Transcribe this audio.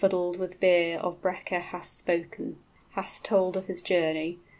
} Thou fuddled with beer of Breca hast spoken, Hast told of his journey!